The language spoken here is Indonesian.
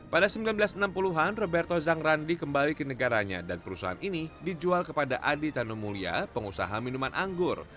pada seribu sembilan ratus enam puluh an roberto zangrandi kembali ke negaranya dan perusahaan ini dijual kepada adi tanumulia pengusaha minuman anggur